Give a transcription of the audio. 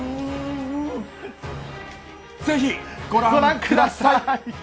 ぜひ御覧ください。